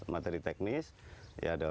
materi teknis ya ada